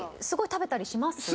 すごい食べたりします？